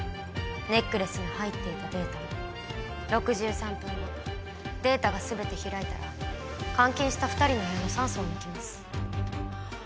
ネックレスに入っていたデータも６３分後データが全て開いたら監禁した２人の部屋の酸素を抜きます。